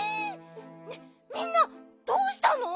みんなどうしたの！？